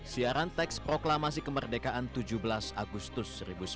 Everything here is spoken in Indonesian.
siaran teks proklamasi kemerdekaan tujuh belas agustus seribu sembilan ratus empat puluh